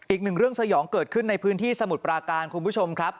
อีกหนึ่งเรื่องสยองเกิดขึ้นในพื้นที่สมุทรปราการคุณผู้ชมครับ